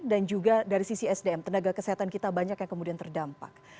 juga dari sisi sdm tenaga kesehatan kita banyak yang kemudian terdampak